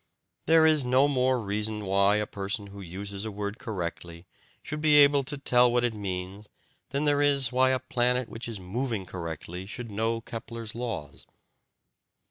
There is no more reason why a person who uses a word correctly should be able to tell what it means than there is why a planet which is moving correctly should know Kepler's laws.